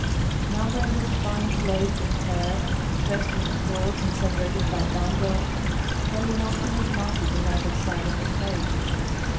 Numberless fine plaits of hair, tressed with cords and separated by bandeaux, fell in opulent masses on either side of the face.